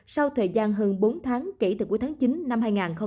sau thời gian hơn bốn tháng kể từ cuối tháng chín năm hai nghìn hai mươi